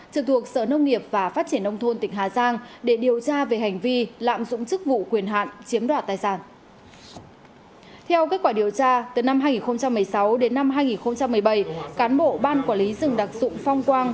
trực thuộc sở nông nghiệp và phát triển nông thôn tỉnh hà giang để điều tra về hành vi lạm dụng chức vụ quyền hạn chiếm đoạt tài sản